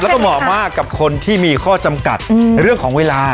แล้วก็เหมาะมากกับคนที่มีข้อจำกัดเรื่องของเวลา